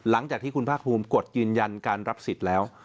หลังจากที่คุณภาคภูมิกดยืนยันการรับสิทธิ์แล้ว